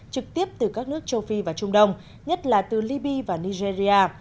trực tiếp từ các nước châu phi và trung đông nhất là từ libya và nigeria